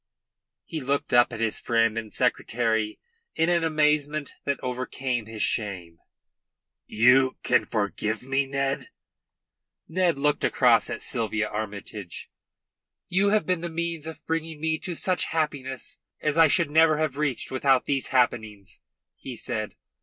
He looked up at his friend and secretary in an amazement that overcame his shame. "You can forgive me, Ned?" Ned looked across at Sylvia Armytage. "You have been the means of bringing me to such happiness as I should never have reached without these happenings," he said.